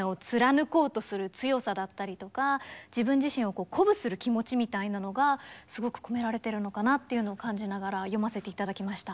サン・サーンス自身のそのみたいなのがすごく込められてるのかなっていうのを感じながら読ませて頂きました。